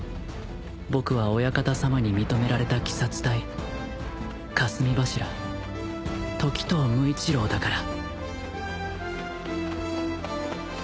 僕はお館様に認められた鬼殺隊霞柱時透無一郎だから